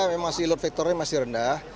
memang si load vectornya masih rendah